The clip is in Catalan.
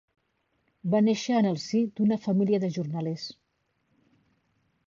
Va néixer en el si d'una família de jornalers.